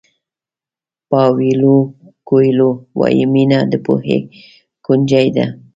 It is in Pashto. پاویلو کویلو وایي مینه د پوهې کونجۍ ده.